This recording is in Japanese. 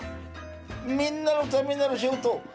みんなのためになる仕事